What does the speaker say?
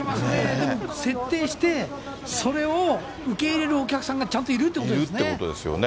でも設定して、それを受け入れるお客さんがちゃんといるということですよね。